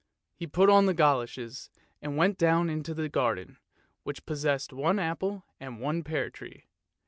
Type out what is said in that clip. He put on the goloshes and went down into the garden, which possessed one apple and one pear tree.